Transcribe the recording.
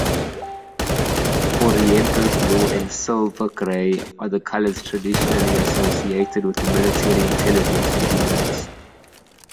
Oriental blue and silver gray are the colors traditionally associated with Military Intelligence units.